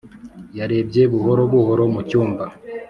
yarebye buhoro buhoro mu cyumba,